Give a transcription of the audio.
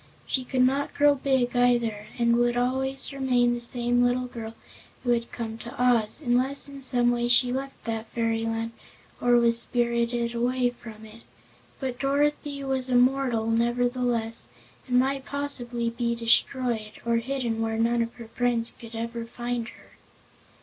She could not grow big, either, and would always remain the same little girl who had come to Oz, unless in some way she left that fairyland or was spirited away from it. But Dorothy was a mortal, nevertheless, and might possibly be destroyed, or hidden where none of her friends could ever find her.